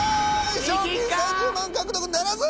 賞金３０万獲得ならず。